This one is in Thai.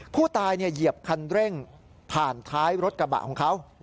เหยียบคันเร่งผ่านท้ายรถกระบะของเขา